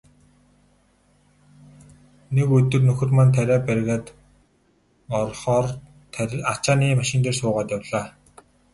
Нэг өдөр нөхөр маань тариа бригад орохоор ачааны машин дээр суугаад явлаа.